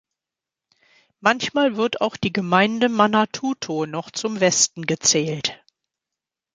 Manchmal wird auch die Gemeinde Manatuto noch zum Westen gezählt.